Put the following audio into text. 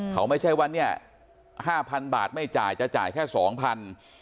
เขาไม่ใช่ว่าเนี่ย๕๐๐บาทไม่จ่ายจะจ่ายแค่๒๐๐บาท